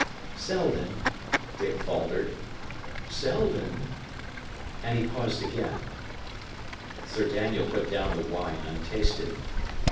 "Selden," Dick faltered "Selden" And he paused again. Sir Daniel put down the wine untasted.